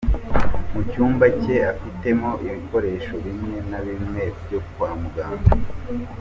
Mu cyumba cye afitemo ibikoresho bimwe na bimwe byo kwa muganga.